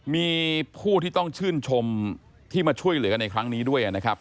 มีผู้ที่ต้องชื่นชมที่มาช่วยเหลือกันในครั้งนี้ด้วยนะครับ